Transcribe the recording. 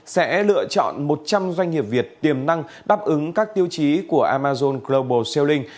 sẽ lựa chọn một trăm linh doanh nghiệp việt tiềm năng đáp ứng các tiêu chí của amazon global selling